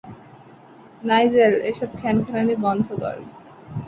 Nigel, এসব খানখ্যানানি বন্ধ কর।